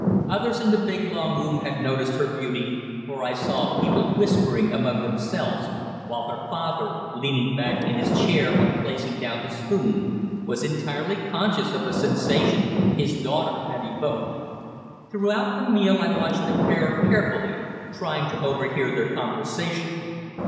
Others in the big, long room had noticed her beauty, for I saw people whispering among themselves, while her father, leaning back in his chair on placing down his spoon, was entirely conscious of the sensation his daughter had evoked. Throughout the meal I watched the pair carefully, trying to overhear their conversation.